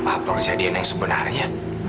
apa kejadian yang sebenarnya